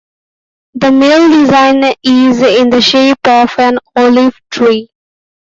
The main design is in the shape of an olive tree.